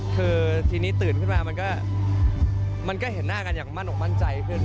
คือทีนี้ตื่นขึ้นมามันก็เห็นหน้ากันอย่างมั่นอกมั่นใจขึ้น